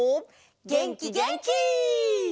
げんきげんき！